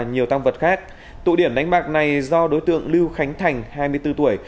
nhiều tăng vật khác tụ điểm đánh bạc này do đối tượng lưu khánh thành hai mươi bốn tuổi